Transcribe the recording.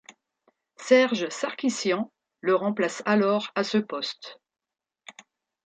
Serge Sarkissian le remplace alors à ce poste.